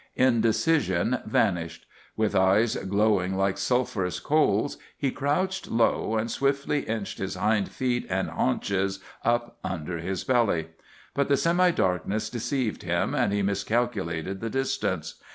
Indecision vanished. With eyes glowing like sulphurous coals he crouched low, and swiftly inched his hind feet and haunches up under his belly. But the semi darkness deceived him, and he miscalculated the distance.